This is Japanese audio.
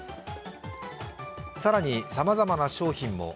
更に、さまざまな商品も。